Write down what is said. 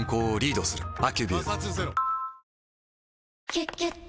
「キュキュット」